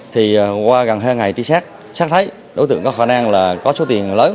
thì qua gần hai ngày trí xác xác thấy đối tượng có khả năng là có số tiền lớn